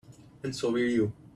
And so will you.